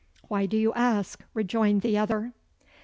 "Why do you ask?" rejoined the other.